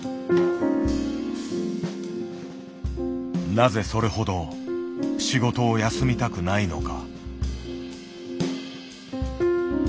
なぜそれほど仕事を休みたくないのか。